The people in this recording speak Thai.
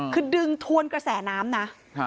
คือดึงทวนกระแสน้ำนะ